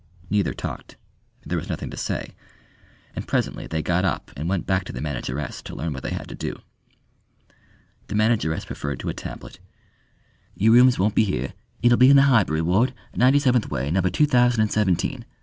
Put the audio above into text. Neither talked there was nothing to say; and presently they got up and went back to the manageress to learn what they had to do. The manageress referred to a tablet. "Y'r rooms won't be here; it'll be in the Highbury Ward, Ninety seventh Way, number two thousand and seventeen.